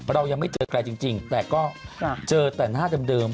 เรายังไม่เจอใครจริงแต่ก็เจอแต่หน้าเดิม